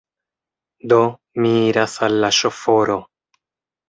Do, mi iras al la ŝoforo.